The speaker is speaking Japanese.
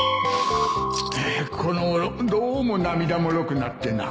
この頃どうも涙もろくなってな